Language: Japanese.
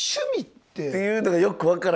っていうのがよく分からへんな。